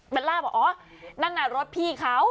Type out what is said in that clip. ล่าบอกอ๋อนั่นน่ะรถพี่เขา